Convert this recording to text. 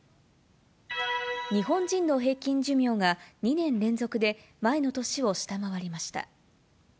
日本人の平均寿命が２年連続で前の年を下回りました。